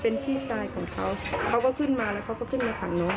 เป็นพี่ชายของเขาเขาก็ขึ้นมาแล้วเขาก็ขึ้นมาถามน้อง